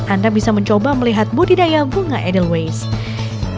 anda bisa mencoba melihat budidaya bunga edelweiss